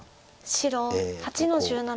白８の十七。